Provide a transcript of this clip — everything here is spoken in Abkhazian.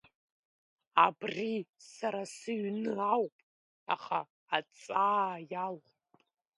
Абри сара сыҩны ауп, аха аҵаа иалхуп.